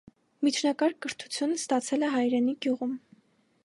Միջնակարգ կրթությունն ստացել է հայրենի գյուղում։